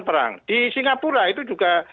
perang di singapura itu juga